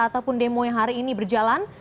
ataupun demo yang hari ini berjalan